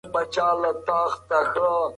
تجربه د وخت زېږنده ده.